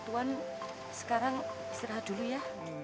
tuhan sekarang istirahat dulu ya